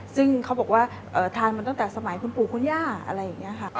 ซึ่งเขาบอกว่าทานมาตั้งแต่สมัยคุณปู่คุณย่าอะไรอย่างนี้ค่ะ